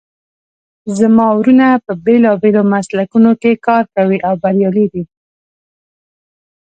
زما وروڼه په بیلابیلو مسلکونو کې کار کوي او بریالي دي